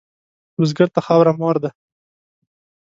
بزګر ته خاوره مور ده